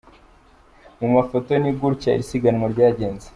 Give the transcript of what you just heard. Mu mafoto, ni gutya iri siganwa ryagenze.